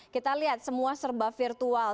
kita lihat semua serba virtual